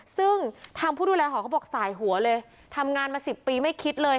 ซึ่งทางผู้ดูแลหอเขาบอกสายหัวเลยทำงานมา๑๐ปีไม่คิดเลย